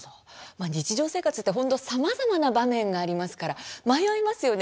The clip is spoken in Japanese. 日常生活って本当さまざまな場面がありますから迷いますよね。